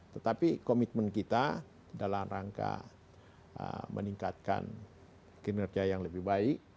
tetapi komitmen kita dalam rangka meningkatkan kinerja yang lebih baik